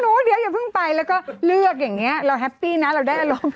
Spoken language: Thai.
เดี๋ยวอย่าเพิ่งไปแล้วก็เลือกอย่างนี้เราแฮปปี้นะเราได้อารมณ์